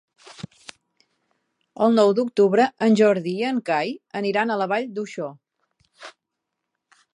El nou d'octubre en Jordi i en Cai aniran a la Vall d'Uixó.